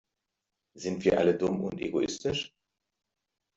Sind wir alle dumm und egoistisch?